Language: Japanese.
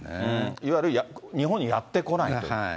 いわゆる日本にやって来ないと。